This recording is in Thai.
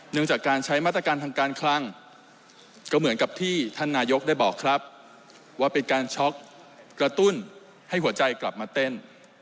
จากการใช้มาตรการทางการคลังก็เหมือนกับที่ท่านนายกได้บอกครับว่าเป็นการช็อกกระตุ้นให้หัวใจกลับมาเต้น